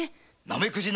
なめくじ